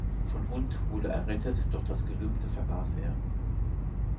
Von Hundt wurde errettet, doch das Gelübde vergaß er.